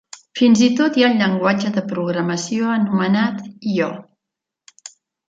Fins i tot hi ha un llenguatge de programació anomenat "io".